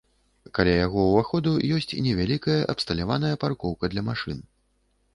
Каля яго ўваходу ёсць невялікая абсталяваная паркоўка для машын.